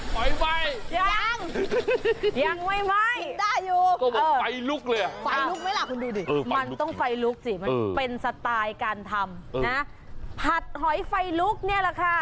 หอยไหมยังยังไม่ไหมยังได้อยู่คือไฟลุกเลยมันต้องไฟลุกจิมันเป็นสไตล์การทำผัดหอยไฟลุกเนี่ยแหละค่ะ